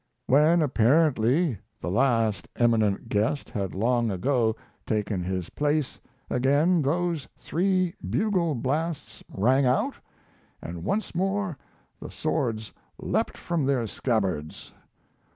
When apparently the last eminent guest had long ago taken his place, again those three bugle blasts rang out, and once more the swords leaped from their scabbards.